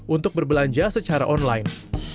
untuk berbelanja secara online